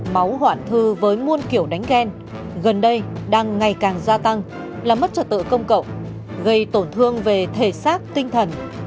máu hoản thư với muôn kiểu đánh ghen gần đây đang ngày càng gia tăng là mất trật tự công cậu gây tổn thương về thể xác tinh thần